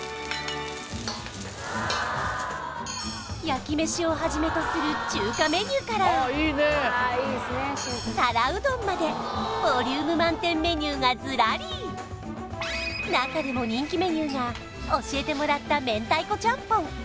焼き飯をはじめとする中華メニューから皿うどんまでボリューム満点メニューがずらり中でも人気メニューが教えてもらった明太子ちゃんぽん